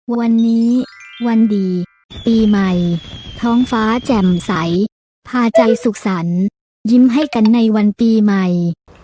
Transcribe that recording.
วันนี้วันดีปีใหม่ท้องฟ้าแจ่มใสพาใจสุขสรรค์ยิ้มให้กันในวันปีใหม่